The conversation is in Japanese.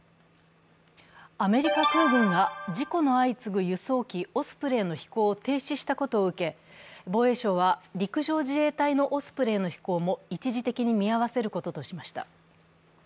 アメリカ空軍が事故の相次ぐ輸送機オスプレイの飛行を停止したことを受け防衛省は、陸上自衛隊のオスプレイの飛行も一時的に見合わせることとしました。